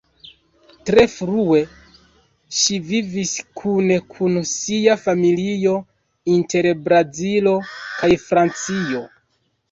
Tre frue, ŝi vivis kune kun sia familio inter Brazilo kaj Francio.